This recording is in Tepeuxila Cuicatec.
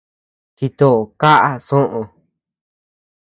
Chito kaʼa soʼö.